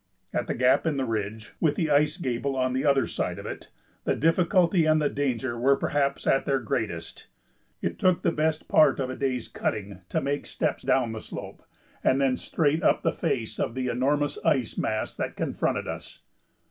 At the gap in the ridge, with the ice gable on the other side of it, the difficulty and the danger were perhaps at their greatest. It took the best part of a day's cutting to make steps down the slope and then straight up the face of the enormous ice mass that confronted us.